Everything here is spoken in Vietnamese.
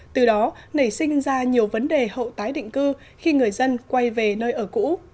từ đó nảy sinh ra nhiều vấn đề hậu tái định cư khi người dân quay về nơi ở cũ